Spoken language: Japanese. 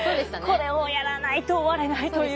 これをやらないと終われないという。